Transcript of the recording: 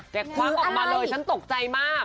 ควักออกมาเลยฉันตกใจมาก